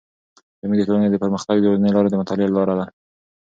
زموږ د ټولنې د پرمختګ یوازینی لاره د مطالعې له لارې ده.